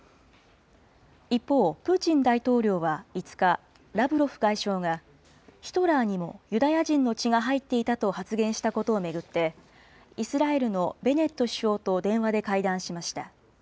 一方、プーチン大統領は５日、ラブロフ外相が、ヒトラーにもユダヤ人の血が入っていたと発言したことを巡って、イスラエルのベネット首相と電話で会談しました。